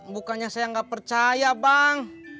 bukannya saya nggak percaya bang